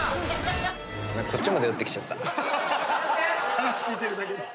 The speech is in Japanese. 話聞いてるだけで。